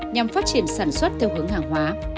nhằm phát triển sản xuất theo hướng hàng hóa